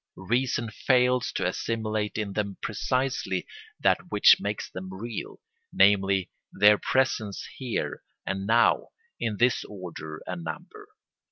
Reason fails to assimilate in them precisely that which makes them real, namely, their presence here and now, in this order and number.